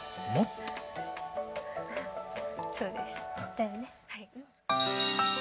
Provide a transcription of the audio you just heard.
だよね？